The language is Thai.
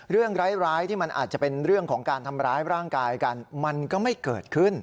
เรื่องร้ายที่มันอาจจะเป็นเรื่องของการทำร้ายร่างกายกันมันก็ไม่เกิดขึ้น